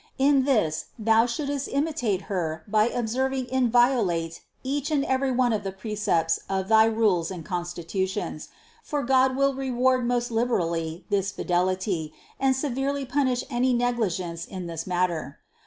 In this thou shouldst imitate her by observing inviolate each and every one of the precepts of thy rules and constitutions ; for God will reward most lib erally this fidelity and severely punish any negligence in this matter.